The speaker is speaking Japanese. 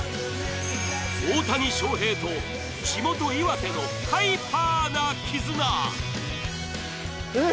大谷翔平と地元・岩手のハイパーな絆。